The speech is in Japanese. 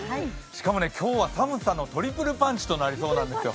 しかも今日は寒さのトリプルパンチとなりそうなんですよ。